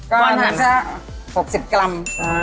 ก้อนหนึ่งซะ๖๐กรัม